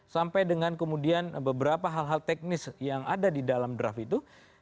sampai dengan kemudian beberapa hal hal teknis yang ada di dalam draft itu